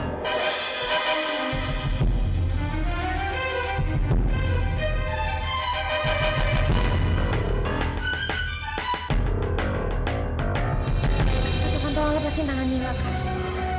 kak taufan tolong lepasin tangan mila kak